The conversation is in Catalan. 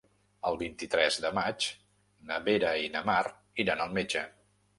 El vint-i-tres de maig na Vera i na Mar iran al metge.